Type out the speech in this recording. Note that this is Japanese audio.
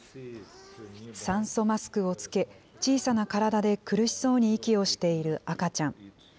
酸素マスクを着け、小さな体で苦しそうに息をしている赤ちゃん。